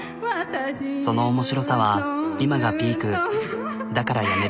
その面白さは今がピークだからやめる。